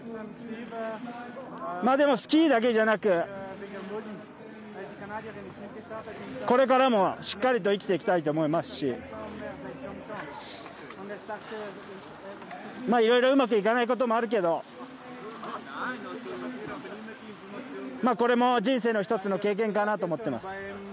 でも、スキーだけじゃなくこれからもしっかりと生きていきたいと思いますしいろいろうまくいかないこともあるけどこれも人生の１つの経験かなと思ってます。